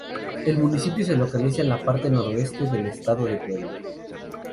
El municipio se localiza en la parte noroeste del Estado de Puebla.